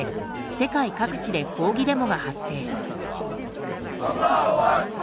世界各地で抗議デモが発生。